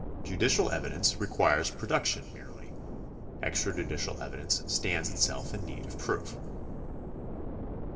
Judicial evi dence requires production merely ; extrajudicial evidence stands itself in need of proof.